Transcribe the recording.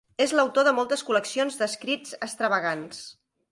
És l'autor de moltes col·leccions d'escrits extravagants.